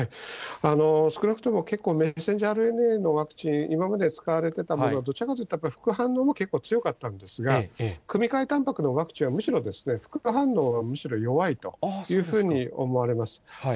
少なくとも結構、ｍＲＮＡのワクチン、今まで使われたものというのは、どちらかというと副反応も結構強かったんですが、組み換えたんぱくのワクチンは、むしろ、副反応がむしろ弱いというふうに思われます。